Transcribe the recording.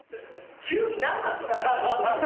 急に何なんすか。